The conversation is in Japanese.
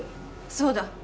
そうだ。